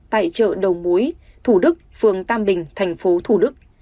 tại chợ đầu mối thủ đức phường tam bình thành phố thủ đức